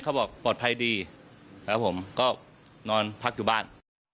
บอกปลอดภัยดีแล้วผมก็นอนพักอยู่บ้าน